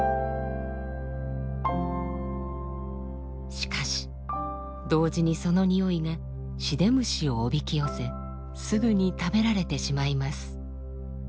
しかし同時にそのにおいがシデムシをおびき寄せすぐに食べられてしまいます。